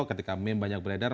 ketika meme banyak beredar